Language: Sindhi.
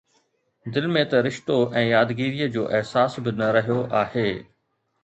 دل ۾ ته رشتو ۽ يادگيريءَ جو احساس به نه رهيو آهي